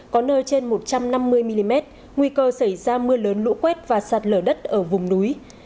có nơi trên một trăm năm mươi mm nguy cơ xảy ra mưa lớn lũ quét và sạt lở đất ở vùng núi